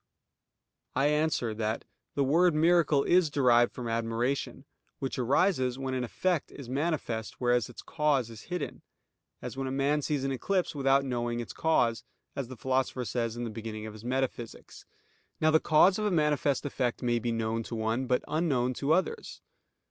I answer that, The word miracle is derived from admiration, which arises when an effect is manifest, whereas its cause is hidden; as when a man sees an eclipse without knowing its cause, as the Philosopher says in the beginning of his Metaphysics. Now the cause of a manifest effect may be known to one, but unknown to others.